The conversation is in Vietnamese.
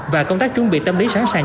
và công tác chuẩn bị tâm lý sẵn sàng